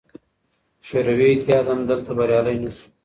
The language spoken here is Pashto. شوروي اتحاد هم دلته بریالی نه شو.